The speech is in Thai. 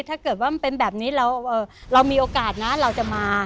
ถ้าเกิดมันเป็นแบบนี้เรามีโอกาสนะ